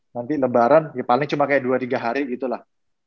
nanti lebaran paling cuma kayak dua tiga hari gitu lah